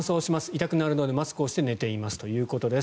痛くなるのでマスクをして寝ていますということです。